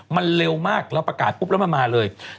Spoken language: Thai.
มันเร็วมากแล้วประกาศปุ๊บแล้วมาเลย